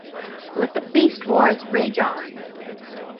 Let the "Beast Wars" rage on!